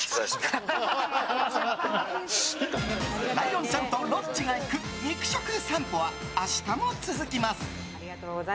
ライオンちゃんとロッチが行く肉食さんぽは明日も続きます。